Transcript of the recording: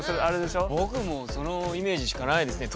僕もそのイメージしかないですね。